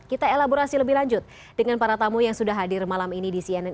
kita elaborasi lebih lanjut dengan para tamu yang sudah hadir malam ini di cnn